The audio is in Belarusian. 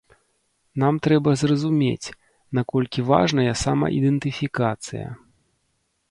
Нам трэба зразумець, наколькі важная самаідэнтыфікацыя.